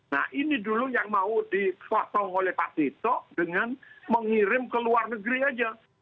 nah ini dulu yang mau dipotong oleh pak tito dengan mengirim ke luar negeri aja